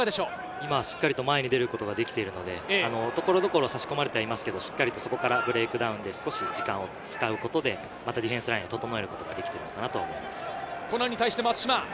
今、しっかりと前に出ることができているので所々差し込まれていますけど、しっかりとそこからブレークダウンで時間を使うことで、またディフェンスラインを整えることができているかなと思います。